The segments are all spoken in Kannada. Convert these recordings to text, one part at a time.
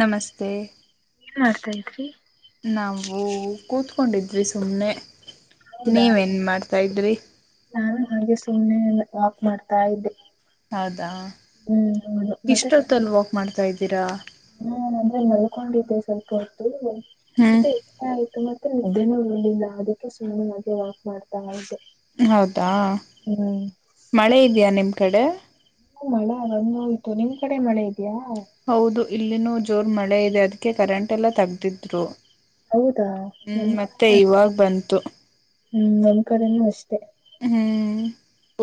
ನಮಸ್ತೆ. ರಿ. ನಾವು ಕುತ್ಕೊಂಡಿದ್ವಿ ಸುಮ್ನೆ. ಹೌದಾ ನೀವ್ ಏನ್ ಮಾಡ್ ಸೈಡ್ ರಿ. ನಾನು ಹಂಗೆ ಸುಮ್ನೆ ವಾಕ್ ಮಾಡ್ತಾ ಇದ್ದೆ. ಹೌದಾ ಹ್ಮ್ ಹೌದು ಇಷ್ಟೊತ್ತಲ್ ವಾಕ್ ಮಾಡ್ತಾ ಇದ್ ತಿರ. ಹ್ಮ್ ಅಂದ್ರೆ ಮಲ್ಕೊಂಡಿದ್ದೆ ಸ್ವಲ್ಪ ಹೊತ್ತು. ಹ್ಮ್ ಮತ್ತೆ ಆಯ್ತು ಮತ್ ತ್ತೆ ನಿದ್ದೆನು ಬರ್ಲಿಲ್ಲ ಅಡುಕ್ಕೆ ಸುಮ್ನೆ ಹಾಗೆ ವಾಕ್ ಮಾಡ್ತಾ ಇದ್ದೆ. ಹೌದಾ ಹ್ಮ್ ಮಳೆ ಇದ್ಯಾ ನಿಮ್ ಕಡೆ. ಹು ಮಳೆ ಬಂದೋಯ್ತು ನಿಮ್ ಕಡೆ ಮಳೆ ಇ ಹೌದು ಇಲ್ಲಿನು ಜ್ ಜೋರ್ ಮಳೆ ಇದೆ ಅದಕ್ಕೆ ಕರೆಂಟ್ ಎಲ್ಲ ತಗ್ದಿದ್ರು. ಹೌದಾ ಹ್ಮ್ ನಮ್ ಮತ್ತೆ ಕಡೆ ಇವಾಗ್ ಬಂ ತ್ತು. ಹ್ಮ್ ನಮ್ ಕಡೆನೂ ಅಷ್ ಹ್ಮ್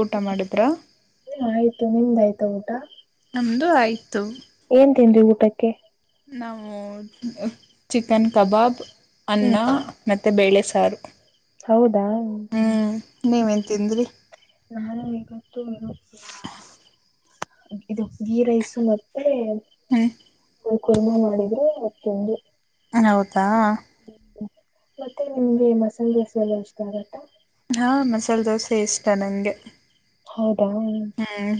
ಊಟ ಮಾಡುದ್ರ ಹ್ಮ್ ಆಯ್ತು ನಿಮ್ದ ಆಯ್ತಾ ಊಟ ನಮ್ದು ಆಯ್ತು. ತಿಂಡಿ ಊಟಕ್ಕೆ. ನಾವು ಚಿಕನ್ ಕಬಾಬ್. ಅನ್ನ. ಹ್ಮ್ ಮತ್ತು ಬೇಳೆ ಸಾರು. ಹೌದಾ. ಹ್ಮ್ ನೀವೇನ್ ತಿಂದ್ರಿ. ನಾನು ಇವತ್ತು ಇದು ಗಿ ರೈಸು ಮತ್ತೆ. ಹ್ಮ. ಕುರ್ಮಾ ಮಾಡಿದ್ರೆ ಒತ್ತಂದು. ನಾನೆ ಓದ್ಲಾ. ಮತ್ತೆ ನಿಮ್ಗೆ ಮಸಾಲೆ ದೋಸೆ ಎಲ್ಲ ಎಷ್ಟ ಆಗುತ್ತಾ. ಹಾ ಮಸಾಲ್ ದೋಸ್ ಸೆ ಇಷ್ಟ ನಂಗೆ. ಹೌದಾ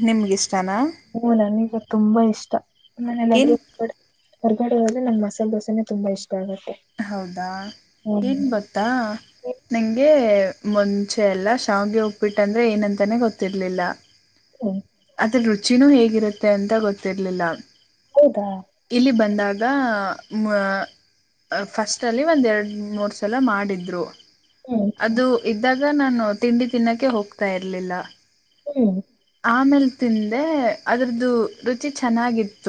ನಿಮ್ಗಿಷ್ಟನಾ ಹ್ಮ ನನ್ಗು ತುಂಬಾ ಇಷ್ಟ ಆಮೇಲೆ ಏನ್ ಏನಾದ್ರು ಹೊರ್ ಹೊರ್ಗಡೆ ಹೊಡೀ ನಂಗ್ ಮಸಾಲ್ ದೋಸೆನೆ ತುಂಬ ಇಷ್ಟ ಆಗದ್ ಹೌದಾ ಏನ್ ಬತ್ತಾ ನಂಗೆ. ಮುಂಚೆ ಎಲ್ಲ ಶಾವ್ಗೆ ಉಪ್ಪಿಟ್ಟಂದ್ರೆ ಏನಂತಾನೆ ಗೊತ್ತಿರ್ಲಿಲ್ಲ. ಹ್ಮ್ ಅದ್ರು ರುಚಿನೂ ಹೇಗಿರುತ್ ತೆ ಅಂತ ಗೊತ್ತಿರ್ಲಿಲ್ಲ. ಹೌದಾ ಇಲ್ಲಿ ಬಂದಾಗ. ಮಾ. ಅ ಫಸ್ಟ್ ಅಲ್ಲಿ ಒಂದ್ ಎರಡ್ ಮೂರ್ ಸಲ ಮಾಡಿದ್ರು. ಹ್ಮ್ ಅದು ಇದ್ದಾಗ್ ಗ ನಾನು ತಿಂಡಿ ತಿನ್ನಕ್ಕೆ ಹೋಗ್ತಾ ಇರ್ಲಿಲ್ಲ. ಹ್ಮ ಆಮೇಲ್ ತಿಂದೆ ಅದ್ರದು ರುಚಿ ಚೆನ್ನಾಗಿತ್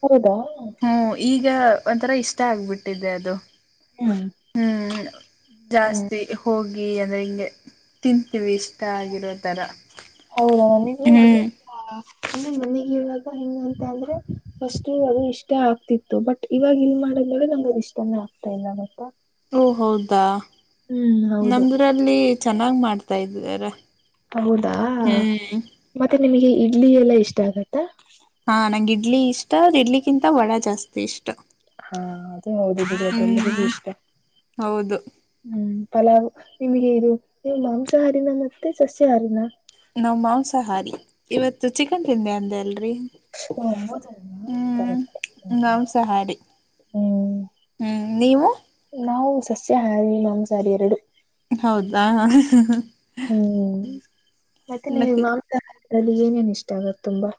ಹರದ. ಗ್ಯ ಒಂಥರ ಇಷ್ಟ ಆಗ್ಬಟ್ ಟ್ಟಿದೆ ಅದು. ಹ್ಮ್ ಹ್ಮ್ ಹ್ಮ್ ಜಾಸ್ತಿ ಹೋಗ್ ಗಿ ಅಂದ್ರೆ ಹಿಂಗೆ ತಿಂತೀವಿ ಇಷ್ಟ ಆಗಿರೋ ತರ. ಹೌದಣ ನೀವು ಅದು ಹ್ಮ್ ಅ. ಇನ್ನ ನಮಿಗ್ ಇವಾಗ ಹೆಂಗ್ ಅಂತ ಅಂದ್ರೆ ಫಸ್ಟ್ ಅದು ಇಷ್ಟ ಆಗ್ತಿತ್ತು ಬಟ್ ಇವಾಗ ಇಲ್ ಮಾಡಿದ್ ನೋಡಿ ಅದು ಇಷ್ಟಾನೇ ಆಗ್ತಾ ಇಲ್ಲ ಗೊತ್ತಾ. ಓ ಹೌದ. ಹ್ಮ್ ಹೌದು ನಮ್ದರಲ್ಲಿ. ಚೆನ್ನಾಗ್ ಮಾಡ್ತಾ ಇದಾರೆ. ಹೌದಾ ಹ್ಮ್ ಮತ್ತೆ ನಿಮಗೆ ಇಡ್ಲಿ ಎಲ್ಲಾ ಇಷ್ಟ ಆಗುತ್ತಾ. ಹಾ ನಂಗೆ ಇಡ್ಲಿ ಇಷ್ಟ ಅದ್ ಇಡ್ಲಿಗಿಂತ ವಡ ಜಾಸ್ತಿ ಇಷ್ಟ. ಹಾ ಅದೇ ಅವ್ರಿಗ್ ಇದ್ ಅಂದ್ರೆ ಹ್ಮ್ ಇಷ್ಟ ಹೌದು ಹ್ಮ್. ಪಲಾವು ನಿಮ್ಗೆ ಇದು ನೀವ್ ಮಾಂಸಹಾರಿನ ಮತ್ತೆ ಸಸ್ಯಹಾರಿನ. ನಾವ್ ಮಾಂಸಾಹಾರಿ. ಇವತ್ತು ಚಿಕನ್ ತಿಂದೆ ಅಂದೆ ಅಲ್ ರಿ ಓ ಹೌದಲ್ವಾ ಹ್ಮ್ ಕರೆಕ್ಟ್ ನಂಸ ಹಾರಿ ಹ್ಮ್ ಹ್ಮ್ ನೀವು. ಸಸ್ಯ ಹಾರಿ ಮಾಂಸಹಾರಿ ಎರಡು ಹೌದಾ ಹ ಹ ಹ್ಮ್ ಮತ್ತೆ ನೀ ಮಾಂಸ ಅಲ್ಲಿ ಏನೇನ್ ಇಷ್ಟ ಆಗತ್ ತುಂಬಾ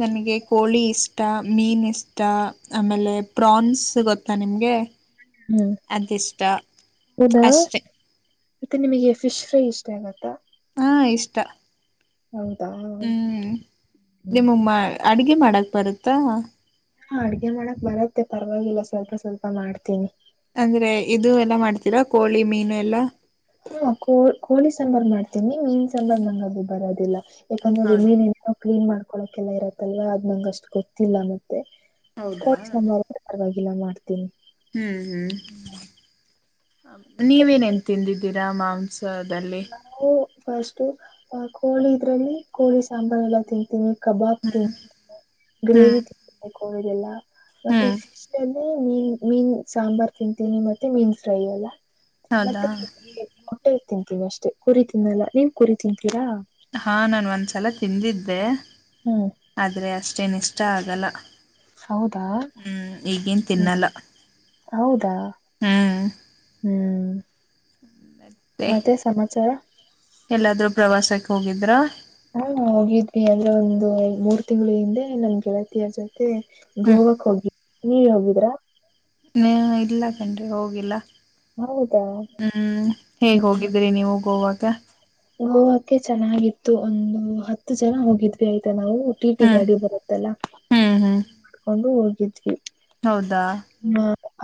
ನನಗೆ ಕೋಳಿ ಇಷ್ಟ ಮೀನ್ ಇಷ್ಟ ಆಮೇಲೆ ಫ್ರಾನ್ಜ್ ಗೊತ್ತಾ ನಿಮ್ಗೆ ಹ್ಮ್ ಅದಿಷ್ಟ ಅಷ್ಟೆ ಇದು ನಿಮಗೆ ಫಿಶ್ ಫ್ರೈ ಇಷ್ಟ ಆಗುತ್ತಾ ಹಾ ಇಷ್ಟ ಹೌದಾ ಹ್ಮ್ ನಿಮ್ಗ ಮಾ ಅಡ್ಗೆ ಮಾಡಕ್ ಬರುತ್ತಾ. ಹಾ ಅಡ್ಗೆ ಮಾಡಕ್ ಬರತ್ತೆ ಪರ್ವಾಗಿಲ್ಲ ಸ್ವಲ್ಪ ಸ್ವಲ್ಪ ಮಾಡ್ತೀನಿ. ಅಂದ್ರೆ ಇದು ಎಲ್ಲ ಮಾಡ್. ತೀರಾ ಕೋಳಿ ಮೀನು ಎಲ್ಲಾ. ಸನ್ಮಾನ ಮಾಡ್ ಮೀನ್ ಮೀನ್ಸೆಲ್ಲ ನಂಗ್ ಅದು ಬರದಿಲ್ಲ ಯಾಕಂದ್ರೆ ಅದು ಹೌದು ಮೀನಿನ್ ಕ್ಲೀನ್ ಮಾಡ್ಕೊಳಕೆಲ್ಲ ಇರತ್ತಲ್ವ ಅದ್ ನಂಗ್ ಅಷ್ಟು ಗೊತ್ತಿಲ್ಲ ನ ತ್ತೆ ಹೌದಾ ಕೋಡ್ ಸೆಮ್ವರ್ಗು ಮಾಡ್ಬೋದು. ಇಲ್ಲ ಮಾಡ್ತೀನಿ. ಹ್ಮ್ ಹ್ಮ್ ನೀವೇನ್ನ್ ತಿಂದಿದ್ದೀರಾ ಮಾಂಸ ನಾವು ಫಸ್ಟು ಅಕ್ ಕೋಳಿ ಇದ್ರಲ್ಲಿ ಕೋಳಿ ಸಾಂಬಾರ್ ಎಲ್ಲ ತಿಂತೀನಿ. ಕಬಾಬ್ತಿನ್. ಹ್ಮ್ ಗ್ರೇವಿ ತಿನ್ಬೇಕು ಹೌದಲ್ಲಾ ಮತ್ತೆ ಹ್ಮ್ ಫಿಶ್ ಅಲ್ಲಿ ಮೀನ್ ಮೀನ್ ಸಾಂಬಾರ್ ತಿಂತೀನಿ ಮತ್ತೆ ಮೀನ್ ಫ್ರೈ ಎಲ್ಲ ಹೌದಾ ಮತ್ತೆ ಮೊಟ್ಟೆ ತಿಂತೀವಿ ಅಷ್ಟೇ ಕುರಿ ತಿನ್ನಲ್ಲ ನೀವ್ ಕುರಿ ತಿಂತೀರಾ. ಹಾ ನಾನ್ ಒಂದ್ಸಲ ತಿಂದಿದ್ದೆ. ಹ್ಮ್ ಆದ್ರೆ ಅಷ್ ಅಷ್ಟೇನ ಇಷ್ಟ ಆಗಲ್ಲ ಹೌದಾ ಹ್ಮ್ ಈಗೇನ್ ಹ್ಮ ತಿನ್ನಲ್ಲ ಹೌದಾ ಹ್ಮ್ ಹ್ಮ್ ಹ್ಮ ಮತ್ತೆ ಎಲ್ಲಾದ್ರೂ ಪ್ರವಾಸಕ್ ಹೋಗಿದ್ರಾ. ಹಾ ಹೋಗಿದ್ವಿ ಅಂದ್ರೆ ಒಂದು ಮೂರ್ ತಿಂಗ್ಲು ಹಿಂದೆ ನಮ್ ಗೆಳತಿಯ ಜೋ ತು ಗೋವಾಗ್ ಹೋಗ್ ನೀವ್ ಹೋಗಿದ್ರಾ. ನ್ಯ ಇಲ್ಲ. ಎಂಡ್ರಿ ಹೋಗಿಲ್ಲ. ಹೌದಾ ಹ್ಮ್ ಹೇಗ್ ಹೋಗಿದ್ರಿ ನೀವು ಗೋವಾಗ್ ವ. ಇಮ್ಮುವಕ್ಕೆ ಚೆನ್ನಾಗಿತ್ತು ಒಂದ್ ಹತ್ತು ಜನ ಹೋಗಿದ್ವಿ ಆಯ್ತಾ ನಾವು. ಟಿ ಟಿ ಹ್ಮ್ ಗಾಡಿ ಬರುತ್ತಲ್ಲ ಹ್ಮ್ ಹ್ಮ್ ಕೊಂಡು ಹೊ ಗಿದ್ವಿ. ಹೌದಾ ನ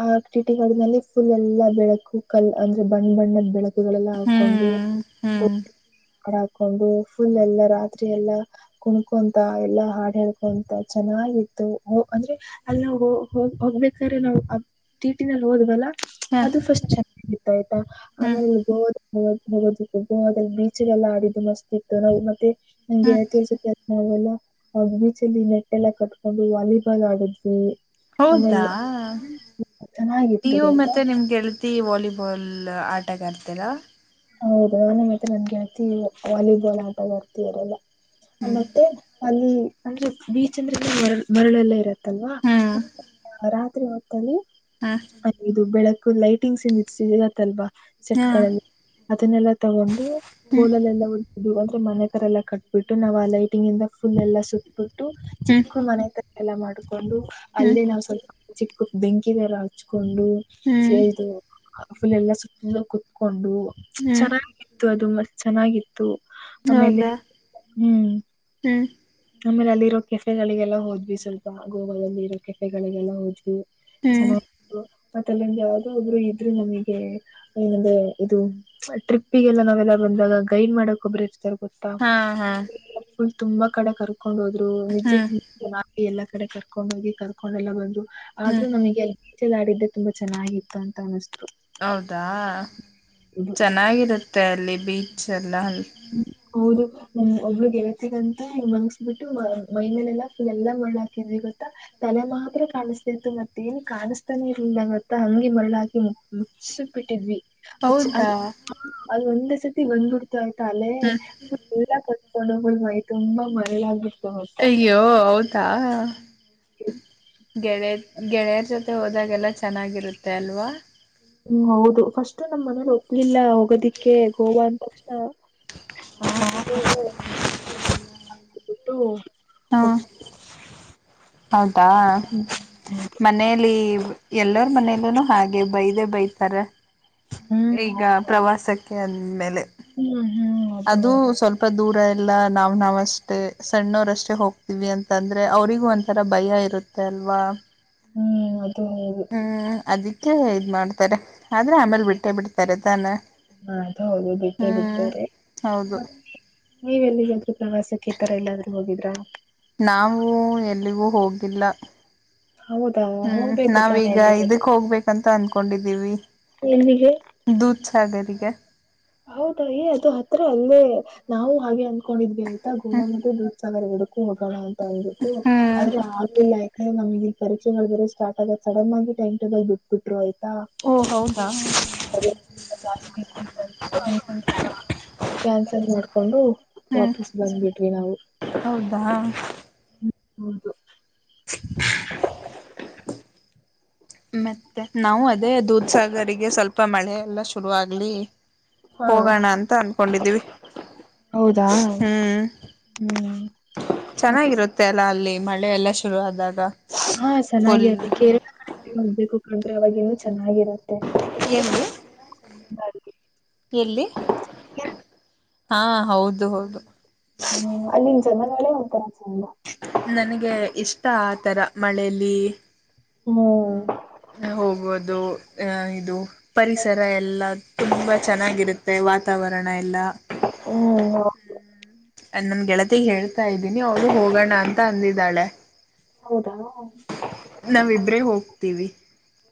ಆ. ಟಿಟಿ ಗಾಡಿನಲ್ಲಿ ಫುಲ್ ಎಲ್ಲಾ ಬೆಳಕು ಕಲ್ ಅಂದ್ರೆ ಬಣ್ಣ ಬಣ್ಣದ್ ಬೆಳಕು. ಗಳೆಲ್ಲ ಹಾಕೊಂಡು ಹ್ಮ್ ತೆ ಹ್ಮ್ ಕಡ ಹಾಕೊಂಡು ಫುಲ್ ಎಲ್ಲ ರಾತ್ರಿ ಎಲ್ಲಾ ಕುಣ್ಕೊಂತ ಎಲ್ಲಾ ಹಾಡು ಹೇಳ್ಕೊಂತ ಚೆನ್ನಾಗಿತ್ತು ಅಂದ್ರೆ ಎಲ್ಲೋಗ ಹೋಗ್ಬೇಕ್ರೆ ನಾವು ಟೀಟಿನಲ್ ಹೋದ್ವಲ್ಲ. ಹ ಅದು ಫಸ್ಟ್ ಚ ಆಯ್ತ ಆಯ್ತಾ ಹ್ಮ್ ಆಮೇಲೆ ಗೋವಾ ಹೋಗೋದಕ್ ಬ. ಬೀಚ್ಗೆಲ್ಲಾ ಆಡಿದ್ದು ಮಸ್ತ್ ಇತ್ತು ನಾವು ಮತ್ತೆ ನಂಗೆ ಗೆಳ್ತಿರ್ ಜೊತೆ ನಾವೆಲ್ಲ ಬೀಚಲ್ಲಿ ನೆಟ್ ಎಲ್ಲ ಕಟ್ಕೊಂಡು ವಾಲಿಬಾಲ್ ಆಡುದ್ವಿ. ಹೌದಾ ಚೆನ್ನಾಗಿತ್ತು ನೀವು ಗೊತ್ತಾ ಮತ್ತೆ ನಿಮ್ ಗೆಳ್ತಿ ವಾಲಿ ಲಿಬಾಲ್ ಆಟಗಾರ್ತಿರ. ಹೌದು ನಾನು ಮತ್ತೆ ನನ್ ಗೆಳ್ತಿ ವಾಲಿಬಾಲ್ ಆಟಗಾರ್ತಿಯರಲ್ಲ. ಹ ಮತ್ತೆ ಅಲ್ಲಿ. ಅಂದ್ರೆ ಬೀಚ್ ಅಂದ್ರೇನೆ ಮರ್ಳ್ ಮರ್ಳ್ಯೆಲ್ಲ ಇರೋದ್ ದಲ್ವಾ ಹ್ಮ್ [unintelligible] ಅರಾಮ್ ತ್ರಿಯತ್. ತೋಲಿ ಹ್ಮ ಅದ್ ಇದು ಬೆಳಗ್ ಗು ಲೈಟಿಂಗ್ಸ್ ಏನ್ ಇದ್ ಸಿಗುತ್ತಲ್ವಾ. ಹಾ ಸೆಟ್ಗಳಲ್ಲಿ. ಅದನ್ನೆಲ್ಲಾ ತಗೊಂಡು. ಹ್ಮ್ ಕೋಲಲೆಲ್ಲ ಹೊ ಇದು ಅಂದ್ರೆ ಮನೆತರ ಎಲ್ಲ ಕಟ್ಬುಟ್ಟು ನಾವು ಆ ಲೈಟಿಂಗ್ ಇಂದ ಫುಲ್ ಎಲ್ಲ ಸುತ್ ಬುಟ್ಟು ಹ್ಮ್ ಚಿಕ್ಕು ಮನೆ ತ ಎಲ್ಲ ಮಾಡೂ ಹ್ಮ್ ಅಲ್ಲೇ ನಾವು ಸ್ವಲ್ಪ [unintelligible] ಬೆಂಕಿ ಬೇರ ಹಚ್ಚು ಕೊಂಡು ಹ್ಮ್ [unintelligible] ಆ ಫುಲ್ ಎಲ್ಲಾ ಸುುತ್ತ ಕುೂತ್ಕೊಂಡು ಹ್ಮ್ ಚೆನ್ನಾಗಿತ್ತು ಅದು ಮಸ್ತ್ ಚೆನ್ನಾಗಿತ್ತು ಆಮೇಲೆ ಹೌದಾ ಹ್ಮ್ ಹ್ಮ್ ಆಮೇಲೆ ಅಲ್ಲಿರೋ ಕೆಫೆಗಳಿಗೆಲ್ಲ ಹೋದ್ವಿ ಸ್ವಲ್ಪ ಗೋವಾದಲ್ಲಿ ಇರೋ ಕೆಫೆಗಳಿಗೆಲ್ಲ ಹೋದ್ವಿ ಹ್ಮ್ ಚೆನ್ನಾಗಿತ್ತು ಮತ್ತ ಅಲ್ಲಿಂದಗೆ ಯಾವ್ದೋ ಒಬ್ರು ಇದ್ರರು ನಮಗೆ ಏನಂದೆ ಇದು ಟ್ರಿಪ್ಗೆಲ್ಲ ನಾವೆಲ್ಲ ಬಂದಾಗ ಗೈಡ್ ಮಾಡಕ ಒಬ್ಬರೂ ಇರ್ತಾರೆ ಗೊತ್ತಾ ಹಾ ಹಾ ತುಂಬಾ ಕಡೆಗರು ಕರಕೊಂಡು ಹೋದರು ಹ್ಮ್ ನಿಜಕ್ಕೂ [unintelligible] ಎಲ್ಲಕಡೆ ಕರಕೊಂಡು ಹೋಗಿ ಕರಕೊಂಡೆಲ್ಲಾ ಬಂದರು ಹ್ಮ್ ಆದ್ರೂ ನಮಗೆ ಬೀಚಲ್ಲಿ ಆಡಿದ್ದು ತುಂಬಾ ಚೆನ್ನಾಗಿ ಇತ್ತು ಅಂತ ಅನಿಸಿತೂ ಹೌದಾ ಇದು ಚೆನ್ನಾಗಿರುತ್ತೆ ಅಲ್ಲಿ ಬೀಚ್ ಸರಿ [unintelligible] ನಮ್ಮ ಒಬ್ಬ ಗೆಳತಿಗೆ ಅಂತೂ ಮಲಗಿಸಿ ಬಿಟ್ಟು ಮೈ ಮೇಲೆ ಎಲ್ಲ ಫೂಲ್ಎಲ್ಲಾ ಮರಳು ಹಾಕಿದ್ವಿ ಗೊತ್ತಾ ತಲೆ ಮಾತ್ರ ಕಾಣಿಸ್ತಾ ಇತ್ತು ಮತ್ತೆ ಏನೂ ಕಾಣಿಸ್ತಾನೆಇರಲಿಲ್ಲ ಗೊತ್ತಾ ಹಂಗೆ ಮರಳು ಹಾಕಿ ಮುಚ್ಚಿಬಿಟ್ಟಿದ್ದೆ ಮುಚ್ಚು ಹೌದಾ ಅದು ಒಂದೇ ಸಾಕು ಇಷ್ಟು ಹೊತ್ತಿಗೆ ಬಂದುಬಿಡುತ್ತಾ ತಲೆ [unintelligible] [unintelligible] ೊಂಡ ಮೈ ತುಂಬಾ ಮರಳಗಬಿಡ್ತು ಅಯ್ಯೋ ಹೌದಾ. ಗೆಳೆಯರ್ ಗೆಳೆಯರ್ ಜೊತೆ ಹೋದಾಗೆಲ್ಲ ಚೆನ್ನಾಗಿರುತ್ತೆ ಅಲ್ವಾ. ಹ್ಮ್ ಹೌದು ಫಸ್ಟ್ ನಮ್ಮ್ ಮನೇರು ಒಪ್ಪಲಿಲ್ಲ. ಇಲ್ಲ ಹೋಗೋದಿಕ್ಕೆ ಗೋವಾ ಅಂತಕ್ಷಣ ಹ ಆಮೇಲೆ [unintelligible] ಹಾ [unintelligible] ಹೌದಾ ಹ್ಮ್ ಹೌದು ಮನೇಲಿ ಎಲ್ಲರ ಮನೇಲ್ಲೂ ಹಾಗೆ ಬೈ. ಬೈತಾರೆ. ಈಗ ಹ್ಮ್ ಪ್ರವಾಸಕ್ಕೆ ಅಂದ್ಮೇಲೆ. ಹ್ಮ್ ಹ್ಮ್ ಅದು ಹೌದು ಸ್ವಲ್ಪ ದೂರ ಇಲ್ಲ. ಇಲ್ಲ ನಾವ್ ನಾವ್ ಅಷ್ಟ. ಸಣ್ಣವರಷ್ಟೇ ಹೋಗ ಅಂತ ಅಂದ್ರೆ ಅವ್ರಿಗೂ ಒಂಥರ ಭಯ ಇರುತ್ತೆ ಅಲ್ವಾ. ಹ್ಮ್. ಅದು ಹೌದು. ಹ್ಮ್ ಅದಕ್ಕೆ ಇದ್ ಮಾಡ್ತಾರೆ ಆದ್ರೆ ಆಮೇಲ್ ಬಿಟ್ಟೆ ಬಿಡ್ತಾರೆ. ಸರಿತಾನೆ. ಹ ಅದು ಹೌದು ಬಿಟ್ಟೇ ಬಿಡ್ತಾರೆ ಹೌದು ಮತ್ತೆ ನೀವೆಲ್ಲಿ ಹಾದ್ರೂ ಪ್ರವಾಸಕ್ಕೆ ಈ ತರ ಎಲ್ಲಾದ್ರೂ ಹೋಗಿದ್ರ. [unintelligible] ನಾವು ಎಲ್ಲಿಗೂ ಹೋಗಿ ಇಲ್ಲ ಹೌದಾ ಹ್ಮ್ ಹೋಗ್ಬೇಕು ತಾನೇ ನಾವೀಗ ಎಲ್ಲಿಗಾದ್ರೂ. ಇದಕ್ ಹೋಗ್ಬೇಕಂತ ಅನ್ಕೊಂಡಿದ್ವಿ. ಎಲ್ಲಿಗೆ? [unintelligible] ದೂದ್ ಸಾಗರಿಗೆ. ಹೌದ ಅದು ಹತ್ರ ಅಲ್ಲೇ ನಾವು ಹಾಗೆ ಅಂದಕೊಂಡಿದ್ವಿ. ಗೋವಾ ಮತ್ತೆ ಧೂಧ್ ಸಾಗರ್ ಹೋಗ [unintelligible] ಅಂದ್ಬಿಟ್ಟು ಹ್ಮ್ ಆದ್ರೆ ಆಗಲಲ್ಲ ಯಾಕ್ರೆ ನಮಗೆ. ಪರೀಕ್ಷೆಗಳು ಬೇರೆ ಸ್ಟಾರ್ಟ ಆಗುತ್ತ ಸನ್ ಆಗಿ ಟೈಮ್ ಟೇಬಲ್ ಬಿಟ್ಟಬಿಟ್ರು ಆಯ್ತ್. ಓ ಹೌದಾ. ಜಾಸ್ತಿ ಇತ್ತು ಕ್ಯಾನ್ಸಲ್ ಮಾಡ್ಕೊಂಡು ಹ್ಮ್ ವಾಪಸ್ ಬಂದಬಿಟ್ವಿ ನಾವು. ಹೌದಾ ಹ ಹೌದು [inaudible] ಮತ್ತೆ ನಾವು ಅದೇ ದೂದ್ ಸಾಗರಿಗೆ ಸ್ವಲ್ಪ ಮಳೆ [unintelligible] ಶುರುವ ಆಾಗ್ಲಿ ಹಾ ಹೋಗೋಣ ಅಂತ ಅನ್ಕೊಂಡಿದೀವಿ ಹೌದಾ ಹ್ಮ್ ಹ್ಮ್ ಮತ್ತೆ ಚೆನ್ನಾಗಿರುತ್ತೆ ಅಲ್ಲ ಅಲ್ಲಿ ಮಳೆ ಎಲ್ಲ ಶುರು ಆದಾಗ ಹಾ ಚೆನ್ನಾಗಿ ಫುಲ್ ಅದ [unintelligible] ಹೋಗ್ಬೇಕು ಅ್ರೆ ಅವಾಗ ಚಂದ ಹಾಗಿರುತ್ತೆ ಎಲ್ಲಿ ಬಾಡಿಗೆ ಎಲ್ಲಿ ಹಾ ಹೌದು ಹೌದು ಹ್ಮ ಅಲ್ಲಿ ಜನಗಳು ಒಂಂತರ ನನಗೆ ಇಷ್ಟ ಆ ತರ ಮಳೆಯಲ್ಲಿ ಹ್ಮ್ ಬಿ ಹ ಹೋಗೋದು ಹಾ ಇದು ಪರಿಸರ ಎಲ್ಲ ತುಂಬಾ ಚೆನ್ನಾಗಿರುತ್ತೆ ವತ್ ತಾವರಣ ಎಲ್ಲ ಹ್ಮ್ [inaudible] ನನ್ ಗೆಳತಿಗೆ ಹೇಳ್ತಾ ಇದ್ದೀನಿ ಅವ್ರು ಹೋಗೋಣ ಅಂತ ಅಂದಿದ್ದಾಳೆ. ಹೌದಾ ನಾವಿಬ್ರೇ ಹೋಗ್ತೀವಿ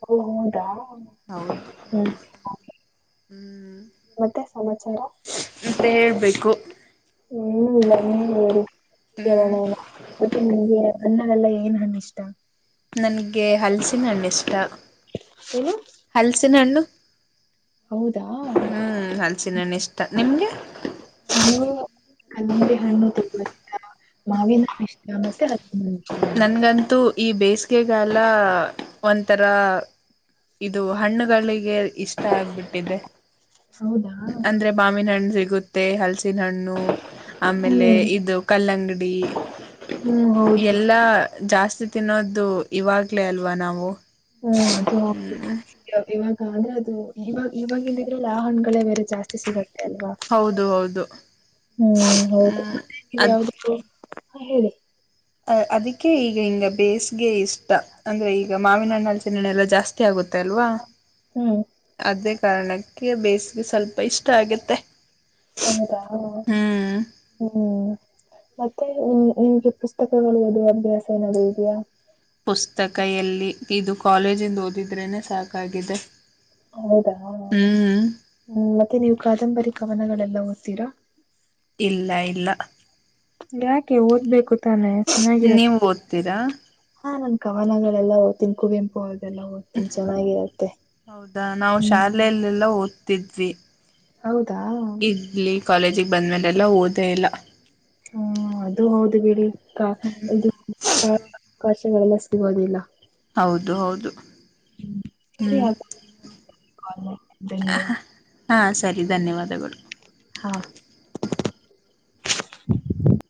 ಓ ಹೌದಾ ಹೌದು ಹ್ಮ್ ಹ್ಮ್ ಮತ್ತೆ ಸಮಾಚಾರ ಹೇಳಬೇಕು ಹ್ಮ್ [unintelligible] ಕೇರ ಎಲ್ಲ ಮತ್ತೆ [inaudible] ಅಣ್ಣನೆಲ್ಲಾ ಏನ್ ಹಣ್ಣು ಇಷ್ಟ ನನ್ಗೆ ಹಲ್ಸ ಹಣ್ಣು ಇಷ್ಟ ಏನು ಹಲ್ಸಿನ ಹಣ್ಣು ಹೌದಾ ಹ್ಮ್ ಹಲ್ಸಿನ ಹಣ್ಣು ಇಷ್ಟ ನಿಮ್ಗೆ ಕಳಂಗ್ಡಿ ಹಣ್ಣು ತುಂಬಾ ಇಷ್ಟ ಮಾವಿನ ಇಷ್ಟ ಮತ್ತೆ ಹ ನನ್ಗಂತೂ ಈ ಬೇಸ್ ಗೇಗಾಲ ಒಂದ್ತಾರ ಇದು ಹಣ್ಣುಗಳಿಗೆ ಇಷ್ಟ ಆಗ್ಬಿಟ್ಟಿದೆ ಹೌದಾ ಅಂದ್ರೆ ಮಾಮಿನ ಹಣ್ಣು ಸಿಗುತ್ ಮತ್ತೆ ಹಲ್ಸಿನ ಹಣ್ಣು. ಆಮೇಲೆ ಹ್ಮ್ ಇದು ಕಲ್ಲಂಗಡಿ. ಹ್ಮ್ ಹೌದು ಎಲ್ಲ ಜಾಸ್ತಿ ತಿನ್ನೋದು ಇವಾಗ್ಲೇ ಅಲ್ವಾ ನಾವು. ಹ್ಮ್ ಅದು ಹೌದು [unintelligible] ಆದ್ರೆ ಅದು ಇವಾಗ ಇವಾಗಿಂದ ಇದ್ರಲ್ಲ ಆ ಹಣ್ಗಳೇ ಬೇರೆ ಜಾಸ್ತಿ ಸಿಗದು. ಅಲ್ವಾ ಹೌದು ಹೌದು ಹ್ಮ್ ಹೌದು ಹ್ಮ್ ಮತ್ತೆ ಯಾವಧು ಫ್ರೂಟ್ ಹಾ ಹೇಳಿ. ಅ ಅದಕ್ಕೆ ಈಗ ಹಿಂಗ್ ಬೇಸ್ಗೆ ಇಷ್ಟ ಅಂದ್ರೆ ಇ ಈಗ ಮಾವಿನ ಹಣ್ಣ ಹಲಸಿನಹಣ್ಣ ಜಾಸ್ [inaudible] ಗೊತ್ತ ಅಲ್ವಾ ಹ್ಮ್ ಅದೆ ಕಾರಣ. ಬೇಸಿಗೆ ಸ್ವಲ್ಪ ಇಷ್ಟ ಆಗತ್ತೆ ಹೌದಾ ಹ್ಮ್. ಹ್ಮ್ ಮತ್ತೆ ನಿಮ್ಗೆ ಪುಸ್ತಕಗಳು ಓದುವ ಅಭ್ಯಾಸ ಏನಾದ್ರು ಇದೆಯಾ. ಪುಸ್ತಕ ಎಲ್ಲಿ ಇದು ಕಾಲೇಜಿಂದ ಓದಿದ್ರೇನೆ ಸಾಕಾಗಿದೆ. ಹೌದಾ ಹ್ಮ್ ಹ್ಮ್ ಮತ್ತೆ ನೀವು ಕಾದಂಬರಿ ಕವನಗಳೆಲ್ಲ. ಓದುತ್ತಿರ. ಇಲ್ಲ ಇಲ್ಲ. ಯಾಕೆ ಓದ್ಬೇಕು ತಾನೆ ಚೆನ್ನಾಗಿರತ್ತೆ ನೀವು ಓದ್ತೀರಾ ಹ. ಕವನಗಳೆಲ್ಲಾ ಒದತಿನಿ ಕುವೆಂಪು ಅವರದ್ದ ಹೌದಾ ನಾವು ಹ್ಮ್ ಶಾಲಲ್ಲೆಲ್ಲಾ ಓದ. ತಿದ್ವಿ. ಹೌದಾ ಇಡ್ಲಿ ಕಾಲೇಜಿಗೆ. ಬಂದ್ಮೇಲೆಲ್ಲ ಓದೇ ಇಲ್ಲ. ಹ್ಮ ಅದು ಹೌದು ಬಿಡಿ. ಇದು. [unintelligible] ಗಳೆಲ್ಲ ಸಿಗೋದಿಲ್ಲ. ಹೌದು ಹೌದು. ಹ್ಮ ಸರಿ ಹ್ಮ್ ಧನ್ಯವಾದ. ಹಾ ಸರಿ ಧನ್ಯವಾದಗಳು. ಹಾ. [inaudible]